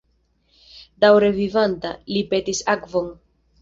Daŭre vivanta, li petis akvon.